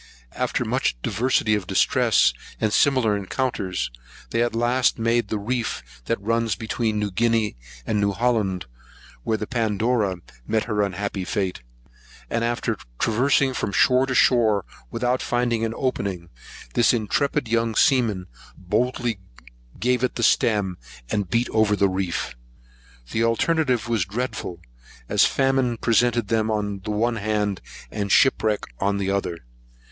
After much diversity of distress, and similar encounters, they at last made the reef that runs between New Guinea and New Holland, where the Pandora met her unhappy fate; and after traversing from shore to shore, without finding an opening, this intrepid young seaman boldly gave it the stem, and beat over the reef. The alternative was dreadful, as famine presented them on the one hand, and shipwreck on the other.